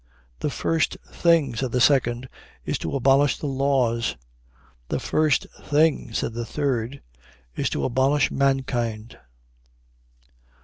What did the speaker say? "'The first thing,' said the second, 'is to abolish the laws.' '"The first thing,' said the third, 'is to abolish mankind.'"